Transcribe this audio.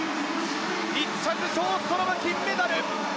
１着ショーストロム金メダル。